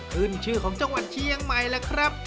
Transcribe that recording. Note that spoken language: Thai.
ขึ้นชื่อของจังหวัดเชียงใหม่ล่ะครับ